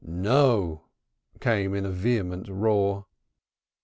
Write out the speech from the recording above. "No!" came in a vehement roar.